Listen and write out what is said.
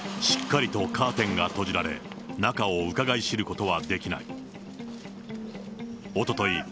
しっかりとカーテンが閉じられ、中をうかがい知ることはできない。